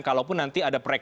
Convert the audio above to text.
kalau pun nanti ada perubahan